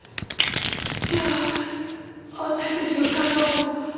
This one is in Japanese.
じゃあ私たちの会話を？